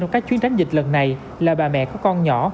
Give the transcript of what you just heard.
trong các chuyến tránh dịch lần này là bà mẹ có con nhỏ